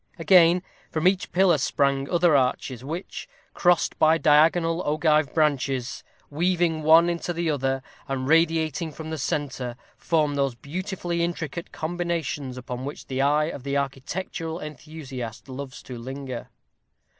Again, from each pillar sprang other arches, which, crossed by diagonal, ogive branches, weaving one into the other, and radiating from the centre, formed those beautifully intricate combinations upon which the eye of the architectural enthusiast loves to linger.